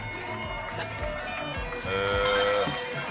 へえ。